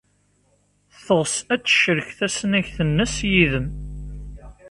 Teɣs ad tecrek tasnagt-nnes yid-m.